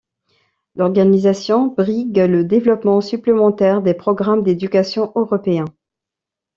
L'organisation brigue le développement supplémentaire des programmes d'éducation européens.